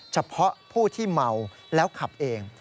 เฉพาะผู้ที่เมาแล้วขับเอง